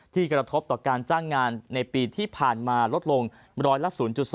กระทบต่อการจ้างงานในปีที่ผ่านมาลดลงร้อยละ๐๒